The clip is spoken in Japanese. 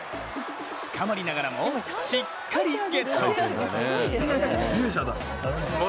捕まりながらもしっかりゲット。